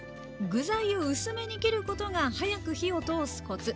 具材を薄めに切ることが早く火を通すコツ！